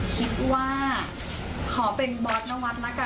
คิดว่าขอเป็นบอสนวัสล่ะกันค่ะ